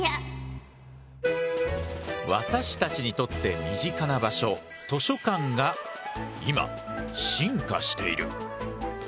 私たちにとって身近な場所図書館が今進化している。